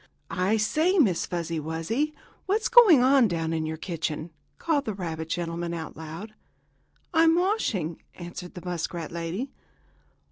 "I say, Miss Fuzzy Wuzzy, what's going on down in your kitchen?" called the rabbit gentleman out loud. "I'm washing," answered the muskrat lady.